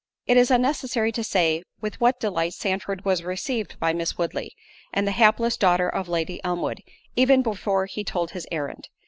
It is unnecessary to say with what delight Sandford was received by Miss Woodley, and the hapless daughter of Lady Elmwood, even before he told his errand.